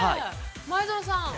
◆前園さん。